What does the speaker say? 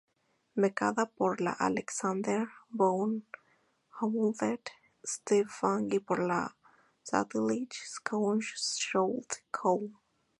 Becada por la Alexander von Humboldt Stiftung y por la Staatliche Hochschule Köln.